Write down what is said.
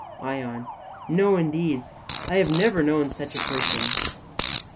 ION: No indeed, I have never known such a person.